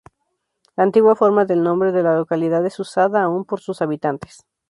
La antigua forma del nombre de la localidad es usada aún por sus habitantes.